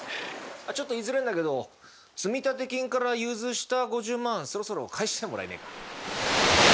ちょっと言いづれえんだけど積立金から融通した５０万そろそろ返しちゃもらえねえか？